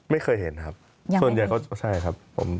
ไม่เคยเห็นครับส่วนใหญ่ก็ใช่ครับ